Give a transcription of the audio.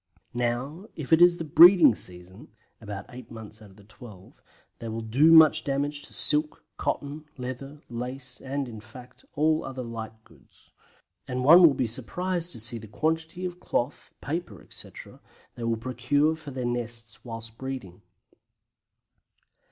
Now, if it is the breeding season (about eight months out of the twelve) they will do much damage to silk, cotton, leather, lace, and, in fact, all other light goods. And one would be surprised to see the quantity of cloth, paper, etc., they will procure for their nests whilst breeding.